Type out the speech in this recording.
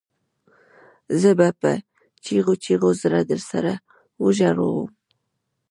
زه به په چیغو چیغو زړه درسره وژړوم